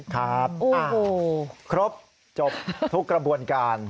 ครับครบจบทุกกระบวนการ